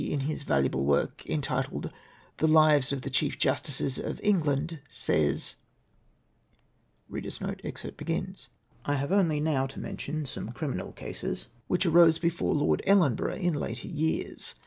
in his valuable work, entitled " The Lives of the Chief Justices of England," says :—" I have now only to mention some criminal cases which arose before Lord Ellenborough in later years.